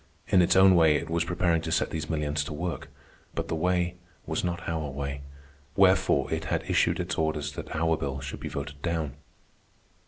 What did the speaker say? In its own way it was preparing to set these millions to work, but the way was not our way, wherefore it had issued its orders that our bill should be voted down.